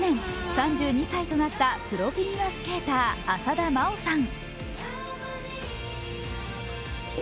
３２歳となったプロフィギュアスケーター、浅田真央さん。